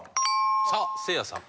さあせいやさん